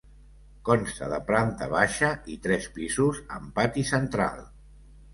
Consta de planta baixa i tres pisos, amb pati central.